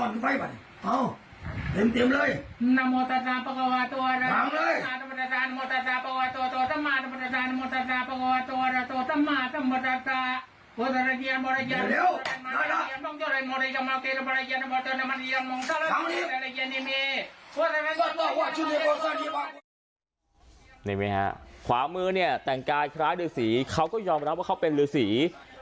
นิ่งแม่ค่ะขวามือแต่งกายคล้ายถึงดูสีเขาก็ยอมรับว่าเขาเป็นฤาษี